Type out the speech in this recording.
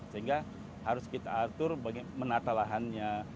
sehingga harus kita atur menata lahannya